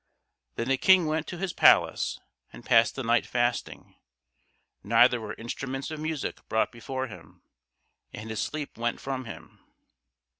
Then the King went to his palace, and passed the night fasting: neither were instruments of music brought before him: and his sleep went from him.